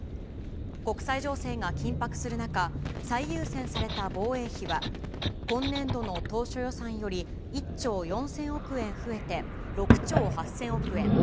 国際情勢が緊迫する中、最優先された防衛費は、今年度の当初予算より１兆４０００億円増えて、６兆８０００億円。